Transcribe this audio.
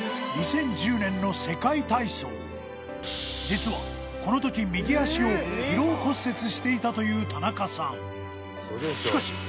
実はこの時右足を疲労骨折していたという田中さん